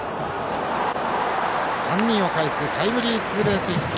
３人をかえすタイムリーツーベースヒット。